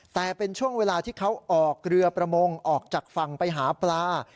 แต่เป็นช่วงเวลาที่เขาออกเรือประมงออกจากฝั่งไปหาปลา